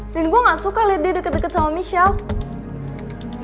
dan gue gak suka liat dia deket deket sama michelle